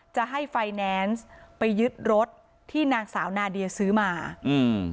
จะให้ไฟแนนซ์ไปยึดรถที่นางสาวนาเดียซื้อมาอืม